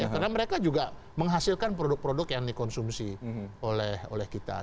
karena mereka juga menghasilkan produk produk yang dikonsumsi oleh kita